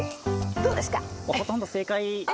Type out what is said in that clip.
どうですか？